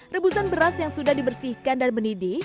rebusan beras yang sudah dibersihkan dan mendidih